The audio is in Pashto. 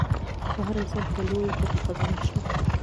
په هر انسان کې لويه پټه خزانه شته.